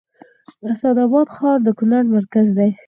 د اسعد اباد ښار د کونړ مرکز دی